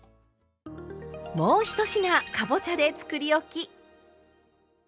もう１品かぼちゃでつくりおき！